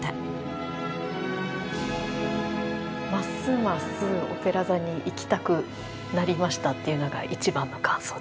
ますますオペラ座に行きたくなりましたっていうのが一番の感想ですね。